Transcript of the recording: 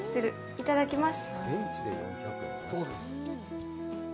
いただきます。